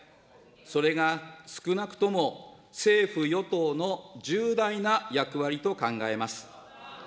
それが少なくとも政府・与党の重大な役割と考えます。